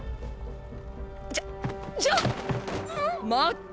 じゃじゃあん⁉待った！